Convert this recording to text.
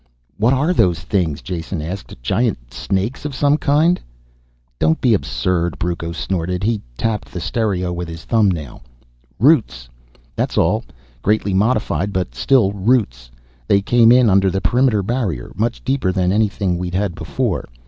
"What are those things?" Jason asked. "Giant snakes of some kind?" "Don't be absurd," Brucco snorted. He tapped the stereo with his thumbnail. "Roots. That's all. Greatly modified, but still roots. They came in under the perimeter barrier, much deeper than anything we've had before.